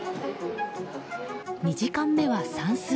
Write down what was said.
２時間目は算数。